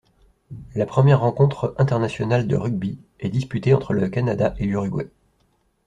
La première rencontre internationale de rugby est disputée le entre le Canada et l’Uruguay.